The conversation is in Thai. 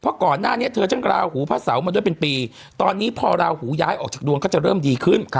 เพราะก่อนหน้านี้เธอช่างลาหูพระเสามาด้วยเป็นปีตอนนี้พอราหูย้ายออกจากดวงก็จะเริ่มดีขึ้น